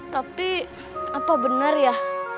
tapi apa bener ya